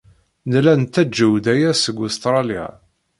Nella nettaǧew-d aya seg Ustṛalya.